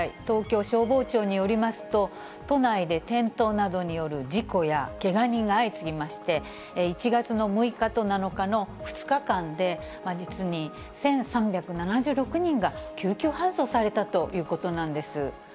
東京消防庁によりますと、都内で転倒などによる事故やけが人が相次ぎまして、１月の６日と７日の２日間で、実に１３７６人が救急搬送されたということなんです。